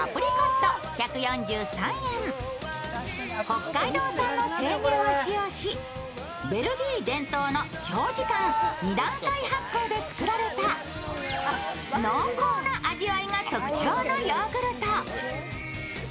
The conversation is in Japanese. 北海道産の生乳を使用し、ベルギー伝統の長時間２段階発酵で作られた濃厚な味わいが特徴のヨーグルト。